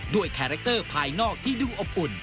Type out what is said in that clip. คาแรคเตอร์ภายนอกที่ดูอบอุ่น